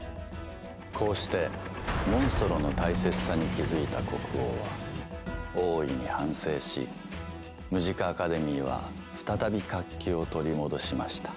こうしてモンストロの大切さに気付いた国王は大いに反省しムジカ・アカデミーは再び活気を取り戻しました。